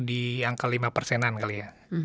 di angka lima persenan kali ya